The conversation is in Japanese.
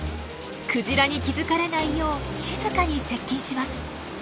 クジラに気付かれないよう静かに接近します。